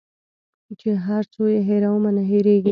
چي هر څو یې هېرومه نه هیریږي